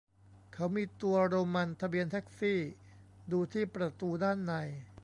เขามีตัวโรมัน ทะเบียนแท็กซี่ ดูที่ประตูด้านใน